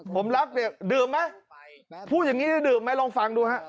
ผมรักเนี่ยดื่มไหมพูดอย่างนี้ได้ดื่มไหมลองฟังดูฮะ